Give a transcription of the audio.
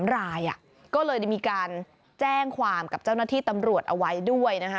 ๓รายก็เลยได้มีการแจ้งความกับเจ้าหน้าที่ตำรวจเอาไว้ด้วยนะคะ